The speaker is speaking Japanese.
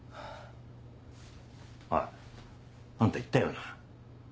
おいあんた言ったよな。